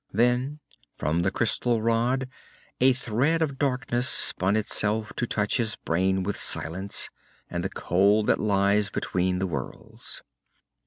Then, from the crystal rod, a thread of darkness spun itself to touch his brain with silence, and the cold that lies between the worlds.